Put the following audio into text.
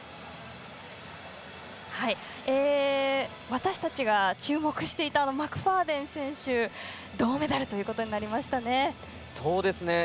私たちが注目していたマクファーデン選手が銅メダルとなりましたね。